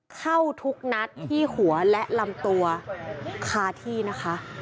เข้าทุกนัดที่หัวและลำตัวคาที่นะคะ